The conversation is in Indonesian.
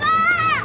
bukain pintunya pak